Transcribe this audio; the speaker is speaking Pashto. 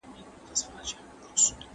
ایا د ګرګین ظلمونه به پای ته ورسیږي؟